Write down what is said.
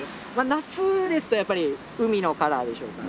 夏ですとやっぱり海のカラーでしょうか。